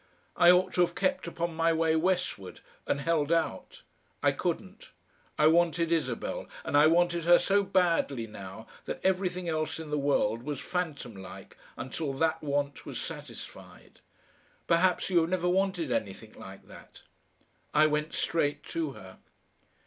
I ought to have kept upon my way westward and held out. I couldn't. I wanted Isabel, and I wanted her so badly now that everything else in the world was phantom like until that want was satisfied. Perhaps you have never wanted anything like that. I went straight to her.